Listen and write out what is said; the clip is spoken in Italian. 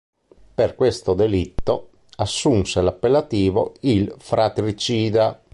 Per questo delitto, assunse l'appellattivo "il fratricida".